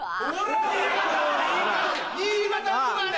新潟生まれ。